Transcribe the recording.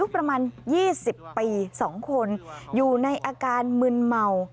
ประมาณ๒๐ปี๒คนอยู่ในอาการมึนเมา